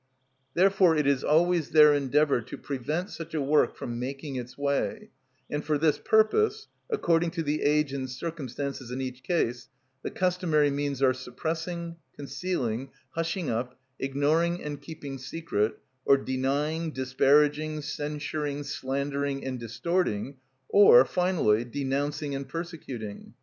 Therefore it is always their endeavour to prevent such a work from making its way; and for this purpose, according to the age and circumstances in each case, the customary means are suppressing, concealing, hushing up, ignoring and keeping secret, or denying, disparaging, censuring, slandering and distorting, or, finally, denouncing and persecuting.